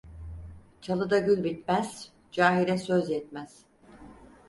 Çalıda gül bitmez, cahile söz yetmez.